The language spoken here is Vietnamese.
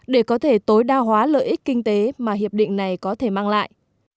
để có thể tối đa hóa lợi ích kinh tế mà hiệp định này có thể mang lại